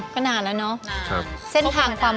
ก้าวเบื้องก้าว